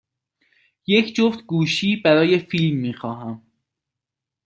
یک جفت گوشی برای فیلم می خواهم.